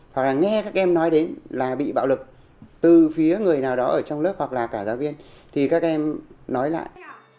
hoặc là nghe các em nói đến là bị bạo lực từ phía người nào đó ở trong lớp hoặc là cả giáo viên thì các em nói lại